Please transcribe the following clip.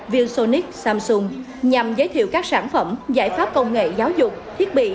viensonic samsung nhằm giới thiệu các sản phẩm giải pháp công nghệ giáo dục thiết bị